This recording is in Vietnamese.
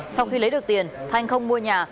sau khi lấy được tiền thanh không mua nhà